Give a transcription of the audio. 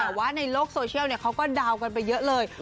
แต่ว่าในโลกโซเชียลเขาก็เดากันไปเยอะเลย